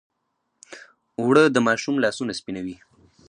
اوړه د ماشوم لاسونه سپینوي